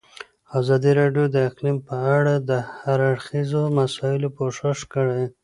ازادي راډیو د اقلیم په اړه د هر اړخیزو مسایلو پوښښ کړی.